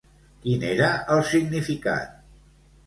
Quin era el significat?